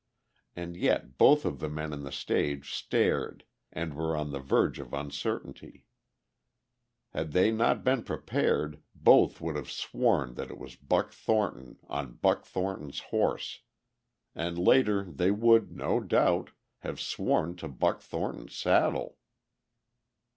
And yet both of the men in the stage stared and were on the verge of uncertainty; had they not been prepared both would have sworn that it was Buck Thornton on Buck Thornton's horse; and later they would, no doubt, have sworn to Buck Thornton's saddle.